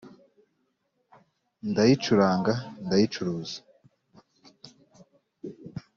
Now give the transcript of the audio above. Ndayicuranga ndayicurura